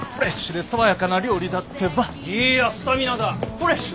フレッシュ！